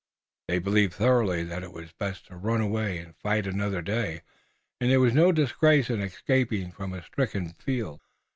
They believed thoroughly that it was best to run away and fight another day, and there was no disgrace in escaping from a stricken field.